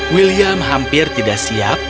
william hampir tidak siap